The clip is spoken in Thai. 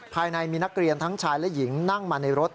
ภายในมีนักเรียนทั้งชายและหญิงนั่งมาในรถ